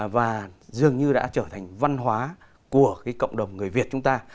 và dường như đã trở thành văn hóa của cái cộng đồng người việt chúng ta